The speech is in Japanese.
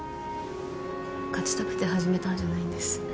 勝ちたくて始めたんじゃないんです。